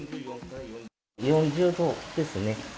４０度ですね。